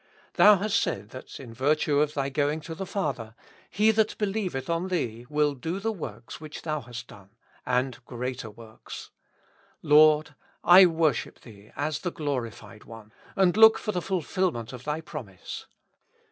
Thou hast said that in virtue of Thy going to the Father, he that believeth on Thee will do the works which Thou hast done, and greater works. Lord ! I wor ship Thee as the Glorified One, and look for the ful filment of Thy promise.